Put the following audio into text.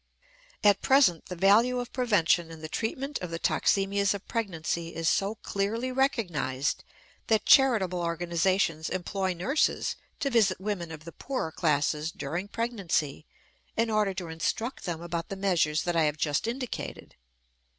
At present the value of prevention in the treatment of the toxemias of pregnancy is so clearly recognized that charitable organizations employ nurses to visit women of the poorer classes during pregnancy in order to instruct them about the measures that I have just indicated.